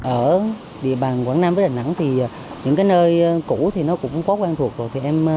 ở địa bàn quảng nam với đà nẵng thì những nơi cũ cũng quá quen thuộc rồi